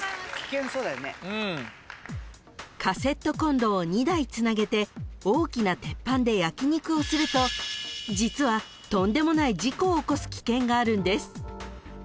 ［カセットコンロを２台つなげて大きな鉄板で焼き肉をすると実はとんでもない事故を起こす危険があるんです］